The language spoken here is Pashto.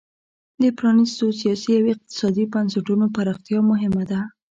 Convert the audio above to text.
د پرانیستو سیاسي او اقتصادي بنسټونو پراختیا مهمه ده.